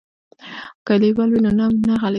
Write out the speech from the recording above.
که لیبل وي نو نوم نه غلطیږي.